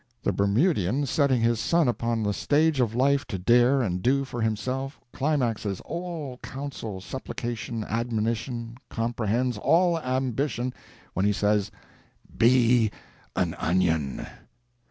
The Bermudian setting his son upon the stage of life to dare and do for himself climaxes all counsel, supplication, admonition, comprehends all ambition, when he says, "Be an onion!"